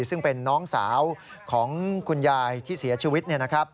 ซึ่งเป็นน้องสาวของคุณยายที่เสียชีวิต